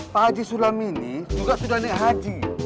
pak haji sulam ini juga sudah naik haji